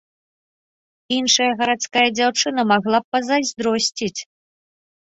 Іншая гарадская дзяўчына магла б пазайздросціць.